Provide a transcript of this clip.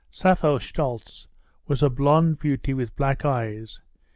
Sappho Shtoltz was a blonde beauty with black eyes.